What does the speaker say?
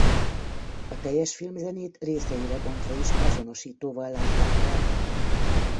A teljes filmzenét részeire bontva is azonosítóval látták el.